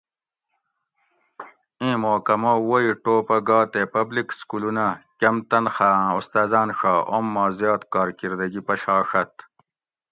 اِیں محکمہ ووئ ٹوپہ گا تے پبلک سکولونہ کٞم تنخواہ آٞں استاٞذٞان ݭا اوم ما زیات کارکِردگی پشاݭت